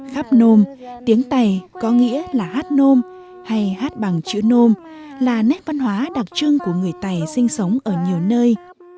khắp nôm tiếng tây có nghĩa là hát nôm hay hát bằng chữ nôm là nét văn hóa đặc trưng của người tày sinh sống ở nhiều nơi